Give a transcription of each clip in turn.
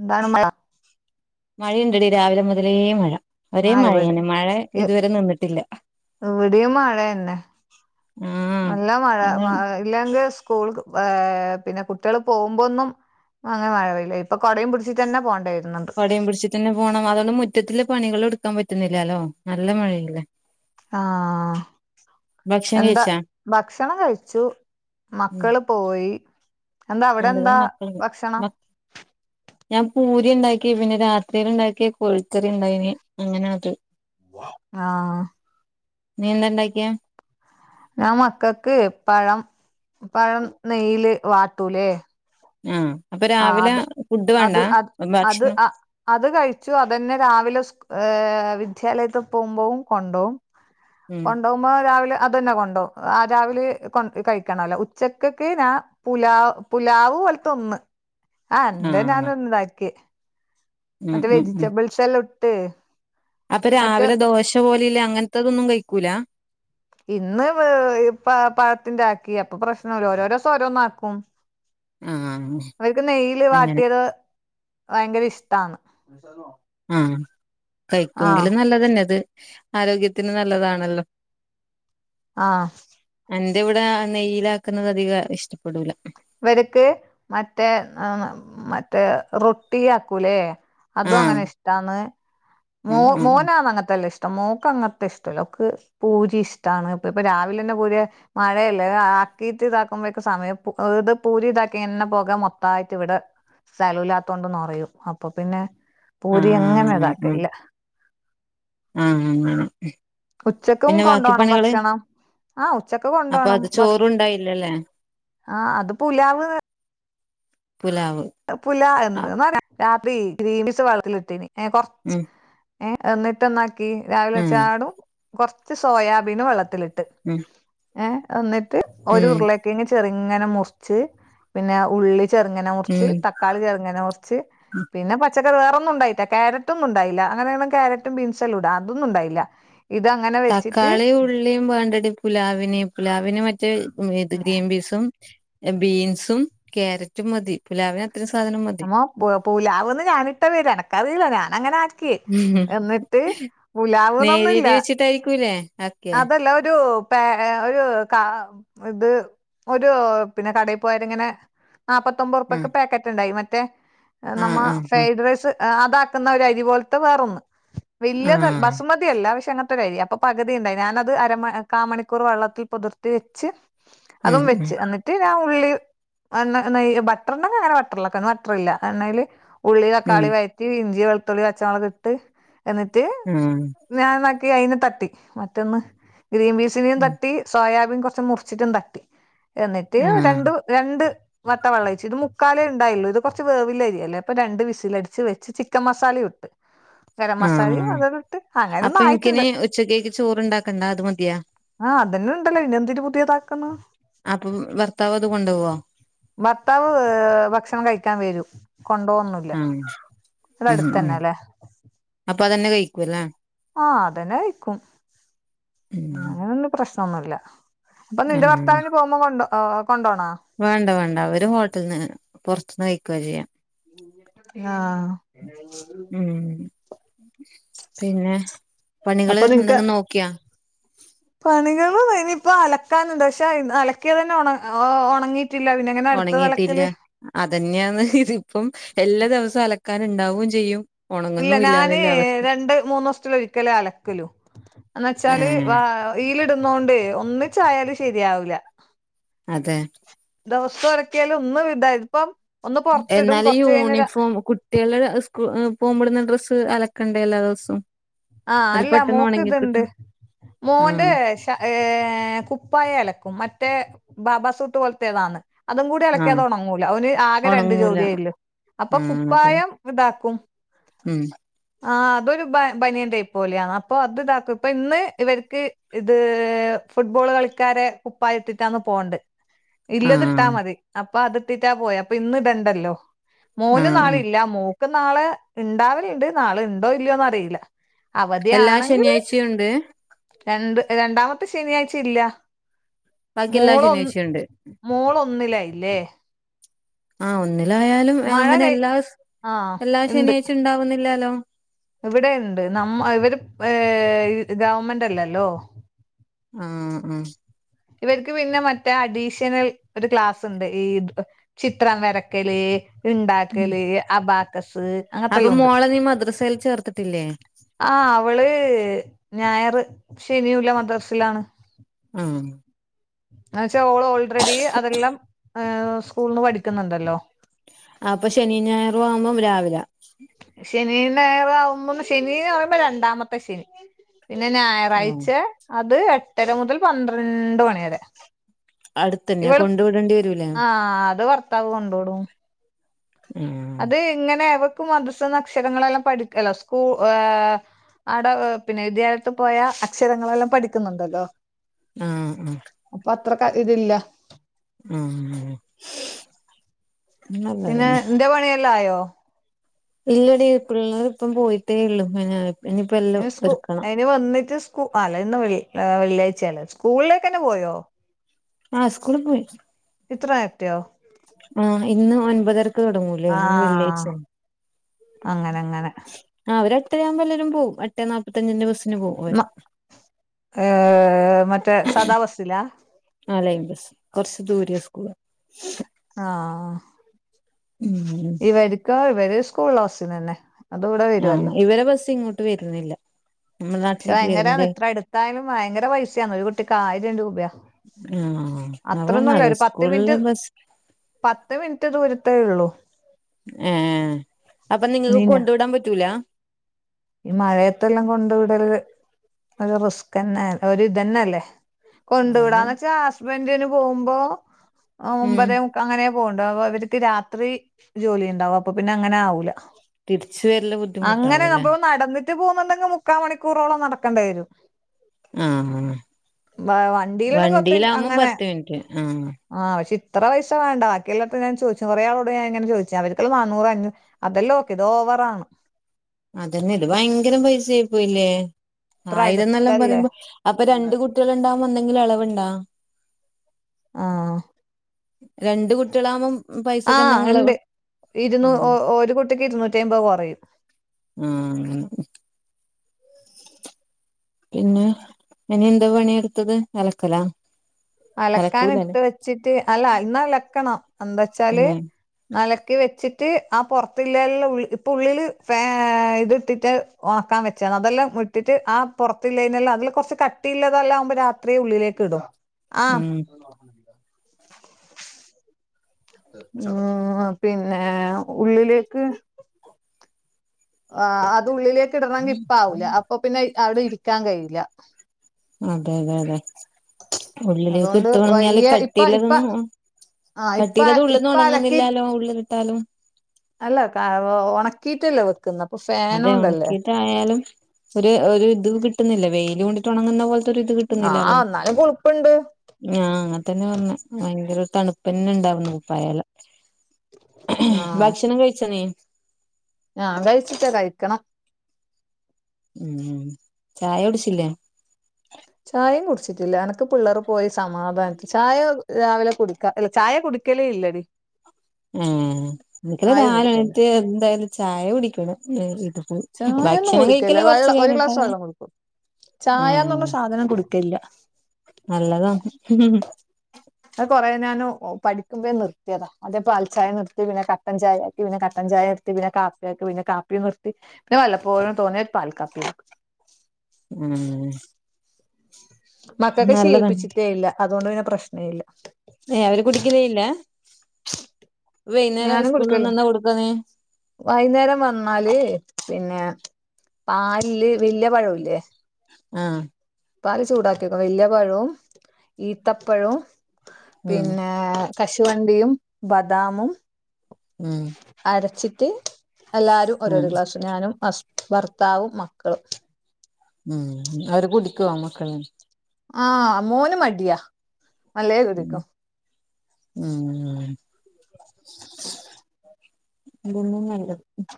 എന്താണ് മ്മള മഴയുണ്ടടി രാവിലെ മുതലേ മഴ ഒരേ ആ ഇവിടെ മഴയാണ് മഴ ഇ- ഇതുവരെ നിന്നിട്ടില്ല ഇവിടെയും മഴന്നെ ആഹ് നല്ല മഴ അത് മഴ ഇല്ലെങ്കിൽ സ്കൂൾ ഏ പിന്നെ കുട്ടികള് പോകുമ്പോന്നും അങ്ങനെ മഴപെയുല്ല ഇപ്പ കൊടയും പിടിച്ചട്ടന്നെ പോണ്ടയിരുന്നുണ്ട് കൊടയും പിടിച്ച്ട്ട് തന്നെ പോണം അതുകൊണ്ട് മുറ്റത്തില് പണികൾ എടുക്കാൻ പറ്റുന്നില്ലാലോ നല്ല മഴല്ലേ ആഹ് എന്താ കഴിച്ചാ ഭക്ഷണം കഴിച്ചു ഉം മക്കള് പോയി എന്താ അവിടെ എന്റതും എന്താ മക്കളുണ്ട് ഭക്ഷണം ഞാൻ പൂരിണ്ടാക്കി പിന്നെ രാത്രിൽ ഇണ്ടാക്കി കോഴിക്കറിണ്ടായിന് അങ്ങനെ അത് ആഹ് നീ എന്താണ്ടാക്കിയേ ഞാൻ മക്കക്ക് പഴം പഴം നെയ്യില് വാട്ടൂലേ ആഹ് അപ്പൊ ആ രാവിലെ അത് ഫുഡ് വേണ്ട അത് അത് അത് ഭക്ഷണം അ- അത് കഴിച്ചു അതന്നെ രാവിലെ സ് ഏഹ് വിദ്യാലയത്ത് പോവുമ്പോവും കൊണ്ടോവും ഉം കൊണ്ടൊവും നമ്മ രാവിലെ അതന്നെ കൊണ്ടോവും ആ രാവിലെ കൊ കഴിക്കണല്ലോ ഉച്ചക്കക്ക് ഞാ പുലാവ് പുലാവ് പോലത്തെ ഒന്ന് ആഹ് രണ്ടും ഞാൻ തന്നെ ഇണ്ടാക്കിയേ ഉം മറ്റേ ഉം വെജിറ്റബിൾസ് എല്ലാം ഇട്ട് അപ്പം മറ്റേ രാവിലെ ദോശ പോലെല്ല അങ്ങനത്തതൊന്നും കഴിക്കൂല ഇന്ന് ഇവ് പ പഴത്തിന്റെ ആക്കി അപ്പൊ പ്രശ്നല്ല ഓരോരോ ദിവസം ഓരോന്നാക്കും ആഹ് അവർക്ക് നെയ്യില് അങ്ങനെ വാട്ടിയത് ഭയങ്കര ഇഷ്ടാണ് ആഹ് ആഹ് കഴിക്കെങ്കില് നല്ലതന്നെ അത് ആരോഗ്യത്തിന് നല്ലതാണല്ലോ ആഹ് അന്റെ ഇവിടെ നെയിലാക്കുന്നത് അധികം ഇഷ്ടപ്പെടൂല ഇവർക്ക് മറ്റേ മറ്റേ റൊട്ടിയാക്കൂലേ അതും ആഹ് അങ്ങനെ ഇഷ്ടാന്ന് മോ ആഹ് ആഹ് മോനാന്ന് അങ്ങനത്തെല്ലാം ഇഷ് ടം മോക്ക് അങ്ങത്തെ ഇഷ്ടല്ല ഓക്ക് പൂരി ഇഷ്ടാണ് ഇപ്പ ഇപ്പൊ രാവിലെ തന്നെ പൂരി മഴയല്ലെ ആക്കീറ്റ് ഇതാക്കുമ്പോഴേക്കും സമയം പോ അത് പൂരി ഇതാക്കി എണ്ണ പൊക മൊത്തായിട്ട് ഇവിടെ സ്ഥലല്ലാത്തോണ്ട് നറയും അപ്പൊ പിന്നെ പൂരി അങ്ങനെ ആഹ് ഇതാക്കലില്ല ആ അങ്ങനെ ഉച്ചക്കും പിന്നെ ബാക്കി കൊണ്ടോണം പണികള് ഭക്ഷണം ആഹ് ഉച്ചക്ക് അപ്പൊ കൊണ്ടോണം അത് ഭക് ചോറുണ്ടായില്ലല്ലേ ആഹ് അത് പുലാവ് പുലാവ് പുലാ എന്ന് രാത്രി ഗ്രീമ്പിസ് വെള്ളത്തിലിട്ടീനി കൊറച്ച് ഉം ഏയ് എന്നിട്ട് എന്നാക്കി രാവിലെ ഉം വെച്ചാടും കുറച്ച് സോയാബീനും വെള്ളത്തിലിട്ട് ഉം ഏഹ് എന്നിട്ട് ഒരു ഉം ഉരുളക്കിഴങ്ങ് ചെറിങ്ങനെ മുറിച്ച് പിന്നെ ഉള്ളി ചെറ്ങ്ങനെ മുറിച്ച് ഉം തക്കാളി ചെറ്ങ്ങനെ മുറിച്ച് പിന്നെ പച്ചക്കറി വേറൊന്നും ഉണ്ടായില്ല ക്യാരറ്റൊന്നും ഉണ്ടായില്ല അങ്ങനെയൊണം കാരറ്റും ബീൻസും എല്ലാം ഇടാം അതൊന്നും ഉണ്ടായില്ല ഇത് അങ്ങനെ വെച്ചിട്ട് തക്കാളിം ഉള്ളിയും വേണ്ടടി പുലാവിനെ പുലാവിനെ മറ്റേ ഇത് ഗ്രീൻ ബീസും ബീൻസും കാരറ്റും മതി പുലാവിന് ഇത്തിരി സാധനം മതി പുലാവന്ന് ഞാനിട്ട പേരാ എനക്കറിയില്ല ഞാൻ അങ്ങനെ ആക്കി എന്നിട്ട് പുലാവ്ന്നൊന്നില്ല നേരിയരി വെച്ചിട്ടായിരിക്കൂല്ലേ ആക്കിയെ അതല്ല ഒരു പ ഒരു കാ ഇത് ഒരു പിന്നെ കടയി പോയരിങ്ങനെ നാൽപ്പത്തൊമ്പത് ആഹ് റുപക്ക് പാക്കറ്റ് ഉണ്ടായി മറ്റേ നമ്മ ആഹ് ആഹ് ഫ്രൈഡ് റൈസ് അതാക്കുന്ന ഒരു അരി പോലത്തെ വേറൊന്ന് വലിയ ആഹ് ബസുമതിയല്ല പക്ഷെ അങ്ങന [unintelligible] അപ്പൊ പകുതിയണ്ടായിന്ന് ഞാനത് അരമ കാമണിക്കൂർ വെള്ളത്തി പുതിർത്തി വെച്ച് ഉം അതും ഉം വെച്ച് എന്നിട്ട് ഞാൻ ഉള്ളി [unintelligible] ബട്ടർ ഉണ്ടെങ്കി അങ്ങനെ ബട്ടറല് വെക്കാ [unintelligible] എണ്ണയില് ഉള്ളി ഉം തക്കാളി വയറ്റി ഇഞ്ചി വെളുത്തുള്ളി പച്ചമുളക് ഇട്ട് എന്നിട്ട് ഉം ഞാൻ എന്നാക്കി അയിന് തട്ടി മറ്റൊന്ന് ഗ്രീൻ പീസിനെയും ഉം തട്ടി സോയാബീൻ കൊറച് മുറിച്ചിട്ടു ട്ടാക്കി എന്നിട്ട് ആഹ് രണ്ടു രണ്ട് മത്ത വെള്ളഴിച്ച് ഇത് മുക്കാലേ ഉണ്ടായില്ല ഇത് കുറച്ച് വേവിലരി അല്ലേ അപ്പൊ രണ്ട് വിസൽ അടിച്ച് വെച്ച് ചിക്കൻ മസാല ഉം ഇട്ട് ഗരം മസാലയും ആഹ് വതൊട്ട് അപ്പൊ അങ്ങനെന്നും എനിക്കിനി ആയിട്ടുണ്ട് ഉച്ചക്കേക്ക് ചോറുണ്ടാക്കണ്ട അത് മതിയാ അഹ് അതന്നെ ഉണ്ടല്ലോ പിന്നെ എന്തിന് പുതിയതാക്കുന്നു അപ്പം ഭർത്താവ് അത് കൊണ്ടു വോ ഭർത്താവ് ഭക്ഷണം കഴിക്കാൻ വരൂ കൊണ്ടവന്നു ല്ല ആഹ് ഇവിടെ ഉം അടുത്ത് തന്നെ ഉം അല്ലേ അപ്പൊ അതന്നെ [unintelligible] അഹ് അതന്നെ കയിക്കും ഉം അങ്ങനൊന്നും പ്രശ്നംന്നുല്ല അപ്പൊ നിന്റെ ആഹ് ഭർത്താവിന് പോകുമ്പോ കൊ കൊണ്ടോണോ വേണ്ട വേണ്ട അവര് ഹോട്ടലിന് പുറത്തുന്ന് കഴിക്കുകവാ ചെയ്യാം അഹ് ഉം പിന്നെ പണികള് എന്തെങ്കും നോക്കിയാ പണികൾ കയിഞ്ഞ് യിപ്പോ അലക്കാനുണ്ട് പക്ഷെ അലക്കിയ തന്ന ഉണങ്ങി റ്റില്ല [unintelligible] ഉണങ്ങിട്ടില്ല അതന്നെയാന്ന് ഇതി ഇപ്പം എല്ലാ ദിവസവും അലക്കാനണ്ടാവും ചെയ്യും ഇല്ല ഞാന് ഒണങ്ങുന്നുല്ലാന്നുള്ള അവസ്ഥ രണ്ട് മൂന്ന ദിവസൽ ഒരിക്കലേ അലക്കലു എന്ന വെച്ചാല് വ ഏഹ് യിൽ ഇടുന്നോണ്ട് ഒന്നിച്ചായാലും ശരിയാവൂല്ല അതെ ദിവസം ഇരക്കിയാലും ഒന്നുംവിട ഇപ്പം എന്നാല ഈ യൂണിഫോം കു കുട്ടിയാൾ സ്കൂ പോകുമ്പോടുന്ന ഡ്രസ്സ് അലക്കണ്ടേ എല്ലാ ദിവസവും ആഹ് അത് അല്ല പെട്ടെന്ന് മോക്ക് ഉണങ്ങി ഇതുണ്ട് കിട്ടും മോൻ്റെ ആഹ് ഏഹ് കുപ്പായ അലക്കും മറ്റേ ബാബസൂട്ട് പോലത്തേതാന് അതും കൂടി അലക്കിയാൽ ആഹ് അത്‌ ഉണങ്ങൂല ഓന് ആകെ രണ്ട് ഉണങ്ങൂല ജോഡിയ ള്ളൂ അപ്പൊ ആഹ് അതെ കുപ്പായം ഇതാക്കും ഉം ആ അതൊരു ബനിയൻ ടൈപ്പ് പോലെയാണ് അപ്പൊ അത് ഇതാക്കും ഇപ്പൊ ഇന്ന് ഇവർക്ക് ഇത് ഫുട്ബോൾ കളിക്കാരെ കുപ്പായിട്ടിട്ടാന്ന് പോണ്ട് ഇല്ലത് ഇട്ടാ ആഹ് മതി അപ്പൊ അത്ട്ടിട്ടാ പോയ അപ്പൊ ഇന്ന് ഇടണ്ടല്ലോ മോൻ നാള ആഹ് ഇല്ല മോൾക് നാള ഇണ്ടാവലുണ്ട് നാള് ഉണ്ടോ ഇല്ലയോന്ന് അറിയില്ല എല്ലാ അവധിയാണെങ്കില് ശനിയാഴ്ചയും ഉണ്ട് രണ്ട് രണ്ടാമത്തെ ശനിയാഴ്ച ഇല്ല ബാക്കി എല്ലാ മോളൊന്ന് ശനിയാഴ്ചയും ഉണ്ട് മോളൊന്നിലയില്ലേ ആഹ ഒന്നിലായാലും മഴ അങ്ങനെ കൈ എല്ലാ ആഹ് എല്ലാ ഇണ്ട് ശനിയാഴ്ച ഉണ്ടാവുന്നില്ലാലോ ഇവിടെ ഇണ്ട് നമ്മ ഇവര് ഏ ഗവൺമെന്റ് അല്ലല്ലോ ഉം ഉം ഇവർക്ക് പിന്നെ മറ്റേ അഡീഷണൽ ഒരു ക്ലാസ് ഉണ്ട് ഈ ചിത്രം വരക്കല് ഉം ഇണ്ടാക്കല് അബാക്കസ് അപ്പൊ അങ്ങനത്തെല്ലാം ഉണ്ട് മോളെ നീ മദ്രസയിൽ ചേർത്ത് ട്ടില്ലേ ആ അവള് ഞായറ് ശനിഉള്ള മദ്രസിലാണ് ഉം എന്ന വെച്ചാ ഓള് ഓൾറെഡി അതെല്ലാം ഹ് സ്കൂൾ ന്ന് പഠിക്കുന്നുണ്ടല്ലോ ആ അപ്പൊ ശനി ഞായർ ആവുമ്പോം രാവിലെ ശനി ഞായർ ആവുമ്പോൾ ശനി ന്ന് പറയുബോ രണ്ടാമത്തെ ശനി പിന്നെ ഞായറാഴ്ച അത് എട്ടര മുതൽ പന്ത്രണ്ട് മണി വരെ അടുത്തന്നെ ഇവള് കൊണ്ട് വിടേണ്ടി വരൂലേ ആഹ അത് ഭർത്താവ് കൊണ്ടോടും ഉ അത് ഇങ്ങനെ അവക്ക് മദ്രസ്ന്നക്ഷരങ്ങളെല്ലാം പഠിക്ക അല്ല സ്കൂ ഏഹ് ആടെ പിന്നെ വിദ്യാലയത്തിൽ പോയാൽ അക്ഷരങ്ങളെല്ലാം പഠിക്കുന്നുണ്ടല്ലോ ആ ഉം അപ്പൊ അത്രക്ക് അ ഇതില്ല ഉം പിന്നെ നല്ലതന്നെ ഇന്റെ പണിയെല്ലായോ? ഇല്ലടീ പിള്ളേരിപ്പം പോയിട്ടേ ഉള്ളു പി സ്കൂ അയിന് വന്നിട്ട് സ്കൂ അല്ല ഇന്ന് വെളളി വെള്ളിയാഴ്ചയാല്ലെ സ്കൂളിലേക്കെന്നെ പോയോ ആ സ്കൂളിൽ പോയി ഇത്ര നേരെത്തെയോ? ആ ഇന്ന് ഒൻപതരക്ക് തുടങ്ങൂലേ ഇന്ന് വെള്ളിയാഴ്ച്ചാ അങ്ങനങ്ങനെ ആ അവരെട്ടേയാവുമ്പോ എല്ലാരും പോവും എട്ടേ നാപ്പത്തഞ്ചിന്റെ ബസ്സിന് പോവും അവര് ഏഹ് മറ്റേ സാദാ ബസിലാ ആ ലൈൻ ബസ് കൊറച്ച് ദൂരെയാ സ്കൂള് ആഹ് ഉം ഇവർക്കോ ഇവര് സ്കൂളിലസ്സിലെന്നെ ആ ഇവരെ ബസ്സ് ഇങ്ങോട്ട് വരുന്നില്ലാ പക്ഷെ ഭയങ്കരാന്ന് ഇത്ര എടുത്തായാലും ഭയങ്കര പൈസയാന്ന് ഒരു കുട്ടിക്ക് ആയിരം രൂപയാ ആ അവണ്ണാ അത്രൊന്നുല്ല അത് ഒരു പത്ത് സ്കൂളില മിനിറ്റ് ബസ് പത്ത് മിനിറ്റ് ദൂരത്തേള്ളൂ ഏഹ് അപ്പൊ നിങ്ങക്ക് നീന കൊണ്ടുവിടാൻ പറ്റൂല ഈ മഴയത്തെല്ലാം കൊണ്ട് വിടല് ഒരു റിസ്ക്കെന്നെ ഒരു ഇതെന്നെല്ലേ കൊണ്ടുവിടാന്നെച്ചാ ഹസ്ബെന്റിന് പോവുമ്പോ ഉം ഒമ്പതേമു പ്പങ്ങനെ പോവ്ണ്ടാവും അ അവർക്ക് രാത്രി ജോലി ഉണ്ടാവും അപ്പൊപ്പിന്നെ അങ്ങനെ ആവൂല തിരിച്ച് വരല് അങ്ങനെ ബുദ്ധിമുട്ടാവും അല്ലേ അപ്പൊ നടന്നിട്ട് പോകുന്നുണ്ടെങ്കിൽ മുക്കാ മണിക്കൂറോളം നടക്കേണ്ടി വരും ആഹ് വണ്ടിയിലണ്ടെങ്കിൽ പത്ത് മിനിറ്റ് വണ്ടിയിലാവുമ്പം അങ്ങനെ പത്ത് മിനിറ്റ് ആഹ് പക്ഷെ ഇത്ര പൈസ വേണ്ട ബാക്കിയെല്ലടത്തു ഞാൻ ചോദിച്ച് കുറെ ആളോട് ഞാൻ ഇങ്ങനെ ചോദിച്ച് അവർക്കെല്ലാം നാന്നൂറ് അഞ്ഞൂറ് അതെല്ലാം ഓക്കെ ഇത് ഓവറാണ് അതന്നെ ഇത് ഭയങ്കരം പൈസായി പോയില്ലേ ഇത്ര ആയിരംന്നെല്ലാം അടുത്തല്ലേ പറയുമ്പോ അപ്പൊ രണ്ട് കുട്ടി കുട്ടിളെണ്ടാവുമ്പോ എന്തെങ്കിലും എളവുണ്ടോ? ആഹ് രണ്ട് കുട്ടികളാമ്പോ ആ ഇണ്ട് ഇരുന്നൂറ് ആഹ് ഒരു കുട്ടിക്ക് ഇരുന്നൂറ്റി അയ്മ്പത് കൊറയും ആഹ് പിന്നെ എനി എന്താ പണിയെടുത്തത് അലക്കലാ അലക്കൂലല്ലേ അലക്കാനെടുത്ത് വെച്ചിട്ട് അല്ല ഇന്ന് അലക്കണം എന്താച്ചാല് ഉം അലക്കി വെച്ചിട്ട് ആ പൊറത്തിലില്ലെള്ള ഇപ്പ ഉള്ളില് ഫേ ഇത് ഇട്ടിട്ട് ഒണക്കാ വെച്ചെണ് അതെല്ലാം വിട്ടിട്ട് ആ പുറത്തില്ലേതിനെല്ലാം അതില് കൊറച്ച് കട്ടിയില്ലതെല്ലാം ആമ്പോ രാത്രിയേ ഉള്ളിലേക്ക് ഇടും ആഹ് ഉം ആ പിന്നെ ഉള്ളിലേക്ക് ആ അത് ഉള്ളിലേക്ക് ഇടണങ്കിൽ ഇപ്പ ആവൂല അപ്പൊ പിന്നെ അവിടെ ഇരിക്കാൻ കഴിയൂല അതെയതെയതെ ഉള്ളിലേക്ക് അതുകൊണ്ട് ഇട്ട് തൊടങ്ങിയാല് വയ്യ ഇപ്പ ഇപ്പ കട്ടിയില്ലതൊന്നും ആഹ് ഇപ്പ കട്ടിയില്ലത് ഉള്ള്ന്ന് ഇപ്പ അലക്കി ഒണങ്ങുന്നില്ലാലോ ഉള്ള്ക്കിട്ടാലും അല്ല കാ ഉണക്കിയിട്ടല്ലെ വെക്കാ ക്ക്ന്ന് അപ്പൊ ഫാൻ അതെ ഉണക്കിയിട്ടായാലും ഒരു ഒരു ഇത് കിട്ടുന്നില്ല വെയില് കൊണ്ടിട്ടൊണങ്ങുന്നതുപോലത്തെ ഒര്ഇത് കിട്ടുന്നില്ലലോ പ്പുണ്ട് ആഹ് അങ്ങന തന്നെ പറഞ്ഞ ഭയങ്കര തണുപ്പ് തന്നെ ഇണ്ടാവുന്നു കുപ്പായല ആഹ് ഭക്ഷണം കഴിച്ചാ നീ ഞാൻ കഴിച്ചിട്ടില്ല കഴിക്കണം ഉം ചായ കുടിച്ചില്ലേ ചായയും കുടിച്ചിട്ടില്ല അനക്ക് പിള്ളേർ പോയി സമാധാനത്തിൽ ചായ രാവിലെ കുടച്ച് അല്ല ചായകുടിക്കലേല്ലടി ഏഹ് എനിക്ക ആരും രാവിലെ കുടിക്കലില്ല എണീറ്റ് എന്തായാലും ചായ കുടിക്കണം ഇത് ചായൊന്നും ഭക്ഷണം കഴിക്കല് കുടിക്കലില്ല കൊറച്ച് വെള്ളം ഒരു ഗ്ലാസ് കഴിഞ്ഞിട്ടാകണം വെള്ളം കുടിക്കും ചായന്ന് പറഞ്ഞ സാദനം കുടിക്കലില്ല നല്ലതാ അത് കുറേ ഞാൻ പഠിക്കുമ്പയെ നിർത്തിയതാ ആദ്യം പാൽ ചായ നിർത്തി പിന്നെ കട്ടൻ ചായ പിന്നെ കട്ടൻചായർത്തി പിന്നെ കാപ്പിയാക്കി പിന്നെ കാപ്പിയും നിർത്തി പിന്നെ വല്ലപ്പോഴും തോന്നി യ ഒരുപൽ കാപ്പി കുടി ഏഹ് മക്കൊക്ക് നല്ലതാണ് ശീലിപ്പിച്ചിട്ടേ ഇല്ല അതുകൊണ്ട് പിന്നെ പ്രശ്ന ഇല്ല ഏഹ് അവര് കുടിക്കലേല്ല വൈന്നേരം സ്കൂളിൾന്ന് വന്നാ എന്താ കൊടുക്കുന്നേ? വൈന്നേരം വന്നാൽ പിന്നെ പാലില് വല്യ പഴോല്ലേ? ആഹ് പാല് ചൂടാക്കിക്കും വല്യ പഴും ഈത്തപ്പഴും ഉം പിന്നെ കശുവണ്ടിയും ബദാമും ഉം അരച്ചിട്ട് എല്ലാരും ഓരോരോ ആഹ് ക്ലാസ് ഞാനും ഹസ് ഭർത്താവും മക്കളും. ഉം അവര് കുടിക്കോ മക്കൾ? ആഹ് മോന് മടിയാ നല്ലേ ഉം കുടിക്കും. ഉം [unintelligible] [unintelligible]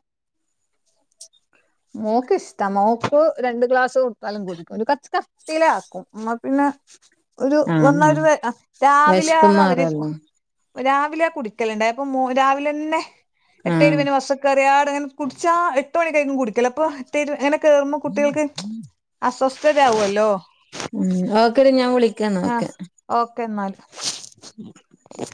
മോക്ക് ഇഷ്ടാ മോക്ക് രണ്ട് ഗ്ലാസ് കൊടുത്താലും കുടിക്കും ഒരു കച്ചക്കാ. ട്ടിലാക്കും ന്ന പിന്നെ ഒരു ആഹ് വന്നാരു ആഹ് രാവിലെ വെശ്പ്പ് ആണ് അവര് മാറുവല്ലോ രാവിലെ കുടിക്കലുണ്ടായി അപ്പൊ മോ രാവിലെന്നെ എട്ടേ ആഹ് ഇരുപത്തിന് ബസ്സ്‌ക്കേറിയാട്നെ കുട്ച്ചാ എട്ട് മണിക്കായിരിക്കും കുടിക്കൽ അപ്പൊ ത്തേരു അങ്ങനെ കേറുമ്പോ കുട്ടികൾക്ക് അസ്വസ്ഥതരാകല്ലോ. ഉം ഓക്കേടി ഞാൻ വിളി ആഹ് ഓക്കേന്നാല് [unintelligible]